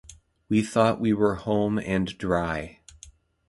We thought we were home and dry.